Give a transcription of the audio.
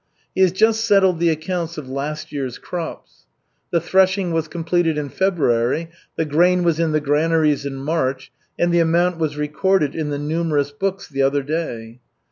He has just settled the accounts of last year's crops. The threshing was completed in February, the grain was in the granaries in March, and the amount was recorded in the numerous books the other day.